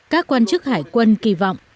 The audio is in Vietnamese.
các quan chức hải quân kỳ vọng